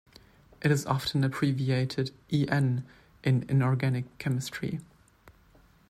It is often abbreviated "en" in inorganic chemistry.